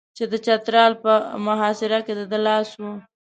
چې د چترال په محاصره کې د ده لاس و.